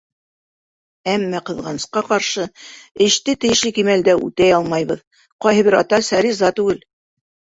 Әммә, ҡыҙғанысҡа ҡаршы, эште тейешле кимәлдә үтәй алмайбыҙ: ҡайһы бер ата-әсә риза түгел.